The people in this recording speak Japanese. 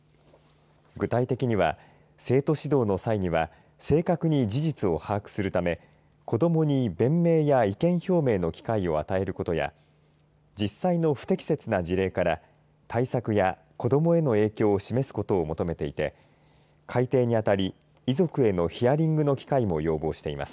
具体的には生徒指導の際には正確に事実を把握するため子どもに弁明や意見表明の機会を与えることや実際の不適切な事例から対策や子どもへの影響を示すことを求めていて改訂にあたり遺族へのヒアリングの機会も要望しています。